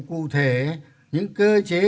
cụ thể những cơ chế